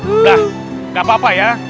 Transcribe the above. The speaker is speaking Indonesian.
udah gapapa ya